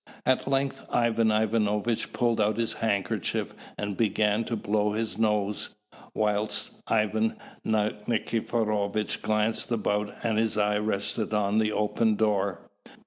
At length Ivan Ivanovitch pulled out his handkerchief and began to blow his nose; whilst Ivan Nikiforovitch glanced about and his eye rested on the open door.